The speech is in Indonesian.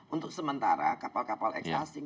untuk sementara kapal kapal ex asing